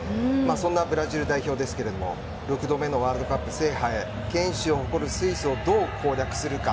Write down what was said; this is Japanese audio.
そんなブラジル代表ですが６度目のワールドカップ制覇へ堅守を誇るスイスをどう攻略するか。